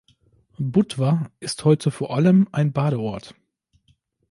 Budva ist heute vor allem ein Badeort.